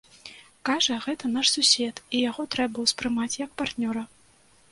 Кажа, гэта наш сусед і яго трэба ўспрымаць як партнёра.